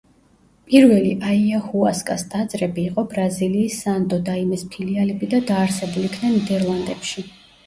პირველი აიაჰუასკას ტაძრები იყო ბრაზილიის სანტო დაიმეს ფილიალები და დაარსებულ იქნა ნიდერლანდებში.